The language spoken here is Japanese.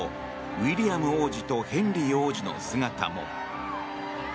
ウィリアム王子とヘンリー王子の姿も。